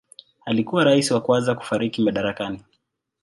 Alikuwa rais wa kwanza kufariki madarakani.